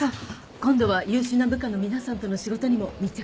今度は優秀な部下の皆さんとの仕事にも密着させてください。